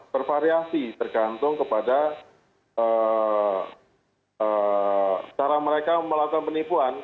bervariasi tergantung kepada cara mereka melakukan penipuan